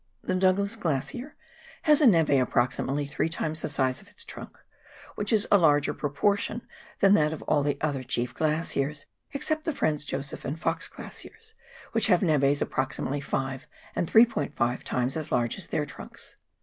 The Douglas Glacier has a neve approximately three times the size of its trunk, which is a larger proportion than that of all the other chief glaciers, excepting the Franz Josef and Fox Glaciers, which have neves approximately 5 and 3 '5 times as large as their trunks.